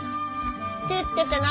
気ぃ付けてな。